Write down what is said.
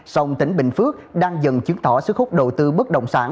sông tỉnh bình phước đang dần chứng tỏ sức hút đầu tư bất động sản